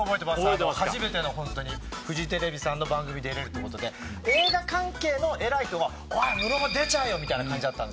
初めてのホントにフジテレビさんの番組出れるっていうことで映画関係の偉い人がおいムロも出ちゃえよみたいな感じだったんですけど